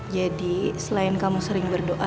jadi selain kamu sering berdoa